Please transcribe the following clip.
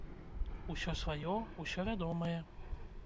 Усё сваё, усё вядомае.